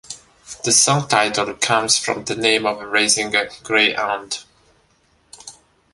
The song title comes from the name of a racing greyhound.